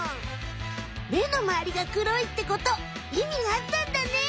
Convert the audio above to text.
目のまわりが黒いってこといみがあったんだね。